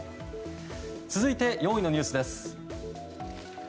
続いて４位のニュースです。